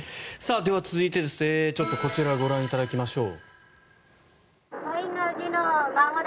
では続いてこちらをご覧いただきましょう。